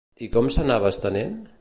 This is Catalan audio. I com s'anava estenent?